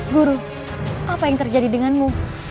guru apa yang terjadi denganmu